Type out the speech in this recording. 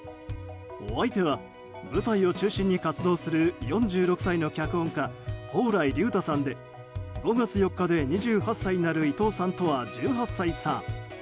お相手は舞台を中心に活動する４６歳の脚本家蓬莱竜太さんで５月４日で２８歳になる伊藤さんとは１８歳差。